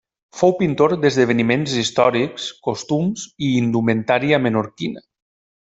Fou pintor d’esdeveniments històrics, costums i indumentària menorquina.